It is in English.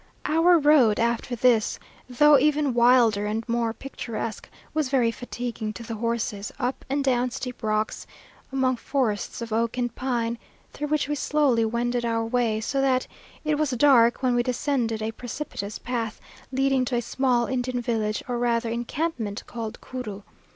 Our road after this, though even wilder and more picturesque, was very fatiguing to the horses up and down steep rocks, among forests of oak and pine, through which we slowly wended our way; so that it was dark when we descended a precipitous path, leading to a small Indian village, or rather encampment, called Curu.